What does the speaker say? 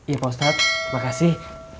iya pak ustadz makasih